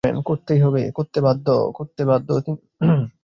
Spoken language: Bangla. তিনি উসমানীয় সাম্রাজ্যের প্রতিনিধিত্ব করেন।